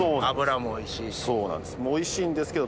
おいしいんですけど。